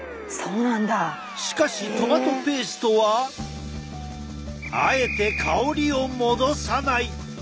しかしトマトペーストはあえて香りを戻さない！